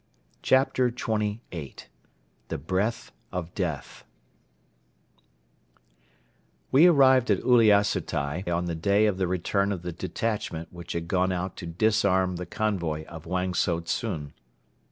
CHAPTER XXVIII THE BREATH OF DEATH We arrived at Uliassutai on the day of the return of the detachment which had gone out to disarm the convoy of Wang Tsao tsun.